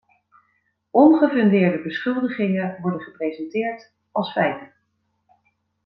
Ongefundeerde beschuldigingen worden gepresenteerd als feiten.